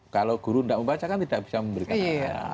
kalau guru tidak membaca kan tidak bisa memberikan apa